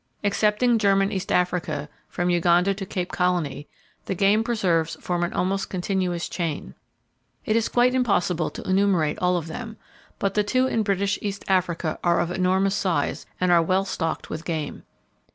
Excepting German East Africa, from Uganda to Cape Colony the game preserves form an almost continuous chain. It is quite impossible to enumerate all of them; but the two in British East Africa are of enormous size, and are well stocked with game.